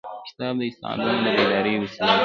کتاب د استعدادونو د بیدارۍ وسیله ده.